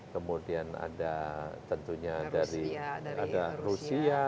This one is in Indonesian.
kemudian ada tentunya dari ada rusia